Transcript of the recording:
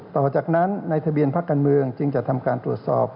ต่อจากนั้นในทะเบียนพักการเมืองจึงจะทำการตรวจสอบ